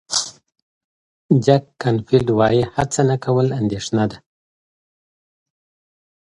جک کانفیلډ وایي هڅه نه کول اندېښنه ده.